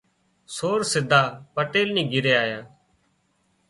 سور سڌا پٽيل نِي گھري آيا